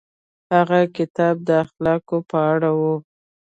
هغه کتاب د اخلاقو په اړه و.